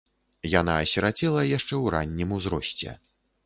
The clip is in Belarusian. Яна асірацела яшчэ ў раннім узросце.